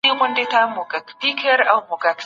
استدلال په پوهه پوري اړه لري.